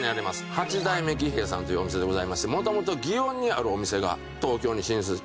八代目儀兵衛さんというお店でございまして元々園にあるお店が東京に進出してきました。